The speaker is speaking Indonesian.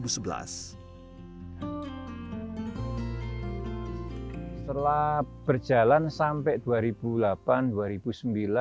setelah berjalan sampai dua ribu delapan dua ribu sembilan